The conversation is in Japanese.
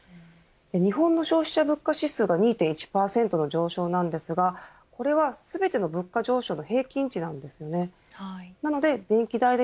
日本の消費者物価指数が２．１％の上昇なんですがこれは全ての物価上昇の平均値なんですね。